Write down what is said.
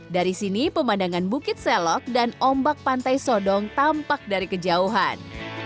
dari sini pemandangan bukit selok dan ombak pantai sodong tampak dari kejauhan